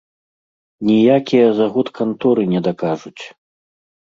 Ніякія заготканторы не дакажуць!